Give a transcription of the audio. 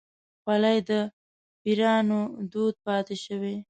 خولۍ د پيرانو دود پاتې شوی.